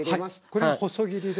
これは細切りですよね。